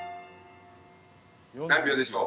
何秒でしょう？